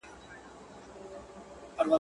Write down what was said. سره غرمه وه لار اوږده بټي بیابان وو.